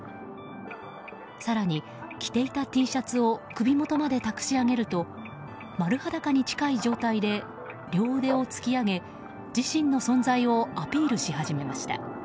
更に、着ていたＴシャツを首元までたくし上げると丸裸に近い状態で両腕をつき上げ自身の存在をアピールし始めました。